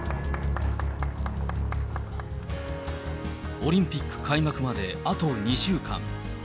オリンピック開幕まであと２週間。